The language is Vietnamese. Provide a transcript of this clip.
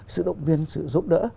tự động viên sự giúp đỡ